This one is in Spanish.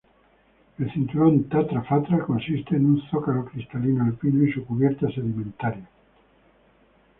El cinturón Tatra-Fatra consiste en un zócalo cristalino alpino y su cubierta sedimentaria.